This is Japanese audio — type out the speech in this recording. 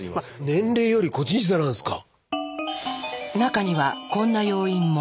年齢より個人差なんですか。